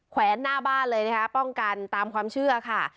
แวนหน้าบ้านเลยนะคะป้องกันตามความเชื่อค่ะ